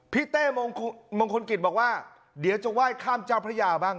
พี่เต้มงคุมงคลกิตบอกว่าเดี๋ยวจะไหว้คัมเจ้าพระยาบ้าง